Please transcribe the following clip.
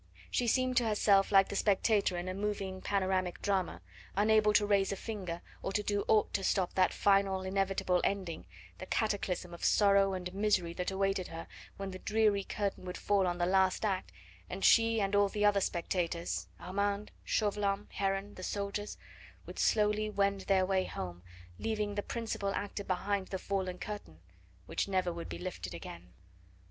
She seemed to herself like the spectator in a moving panoramic drama, unable to raise a finger or to do aught to stop that final, inevitable ending, the cataclysm of sorrow and misery that awaited her, when the dreary curtain would fall on the last act, and she and all the other spectators Armand, Chauvelin, Heron, the soldiers would slowly wend their way home, leaving the principal actor behind the fallen curtain, which never would be lifted again.